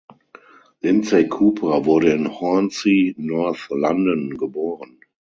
Lindsay Cooper wurde in Hornsey, North London geboren.